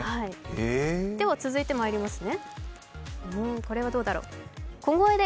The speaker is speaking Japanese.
続いて、まいりますね。